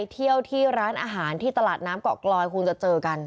เที่ยวที่ร้านอาหารที่ตลาดน้ำเกาะกลอยคงจะเจอกัน